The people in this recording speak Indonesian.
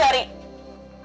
aku tak tahu